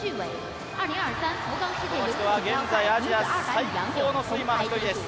この人は現在アジア最高のスイマーの１人です。